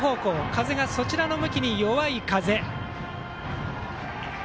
風が、そちらの向きに弱い風。